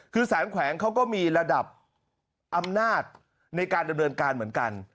คือสารแขวงเขาก็มีระดับอำนาจในการดำเนินการเหมือนกัน